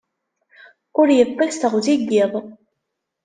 Ur yeṭṭis teɣzi n yiḍ.